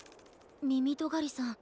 みみとがりさん